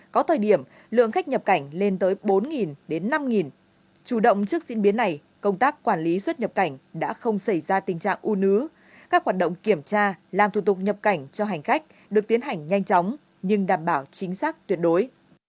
có thời điểm lượng khách nhập cảnh lên tới bốn năm chủ động trước diễn biến này công tác quản lý xuất nhập cảnh đã không xảy ra tình trạng u nứ các hoạt động kiểm tra làm thủ tục nhập cảnh cho hành khách được tiến hành nhanh chóng nhưng đảm bảo chính xác tuyệt đối